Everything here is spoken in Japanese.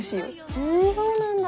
へぇそうなんだ。